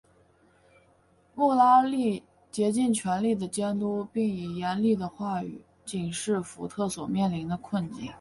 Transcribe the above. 穆拉利竭尽全力地监督并以严厉的话语警示福特所面临的困境。